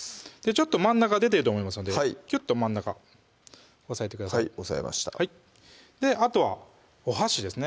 ちょっと真ん中出てると思いますのでキュッと真ん中押さえてください押さえましたあとはお箸ですね